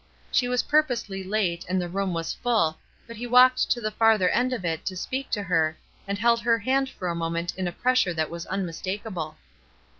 She was purposely late and the room was full, but he walked to the farther end of it to speak to her, and held her hand for a moment in a press ure that was unmistakable.